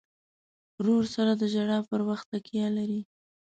ورور سره د ژړا پر وخت تکیه لرې.